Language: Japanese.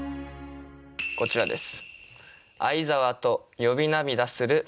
こちらです。